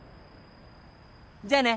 じゃあね。